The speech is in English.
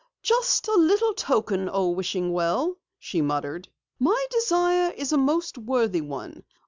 "Just a little token, O wishing well," she muttered. "My desire is a most worthy one.